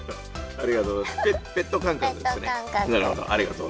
ありがとうございます。